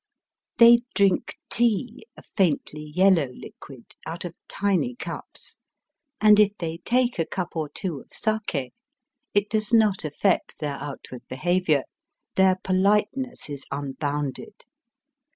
They drink tea, a faintly Digitized by VjOOQIC 214 EAST BY WEST. yellow liquid, out of tiny cups, and if they take a cup or two of sake it does not affect their outward behaviour. Their politeness is unbounded.